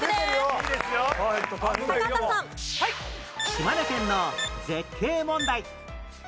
島根県の絶景問題